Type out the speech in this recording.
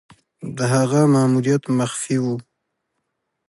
د هغه ماموریت مخفي وو.